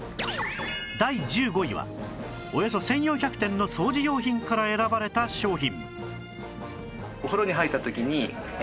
第１５位はおよそ１４００点の掃除用品から選ばれた商品